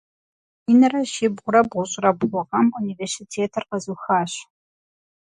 Минрэ щибгъурэ бгъущӏрэ бгъу гъэм университетыр къэзыухащ.